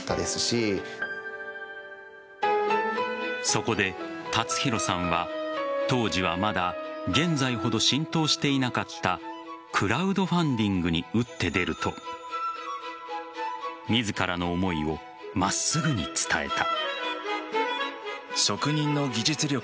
そこで達宏さんは当時はまだ現在ほど浸透していなかったクラウドファンディングに打って出ると自らの思いを真っすぐに伝えた。